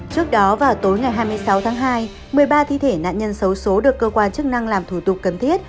trước đó vào tối ngày hai mươi sáu tháng hai một mươi ba thi thể nạn nhân xấu xố được cơ quan chức năng làm thủ tục cần thiết